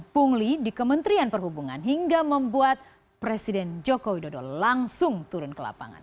pungli di kementerian perhubungan hingga membuat presiden joko widodo langsung turun ke lapangan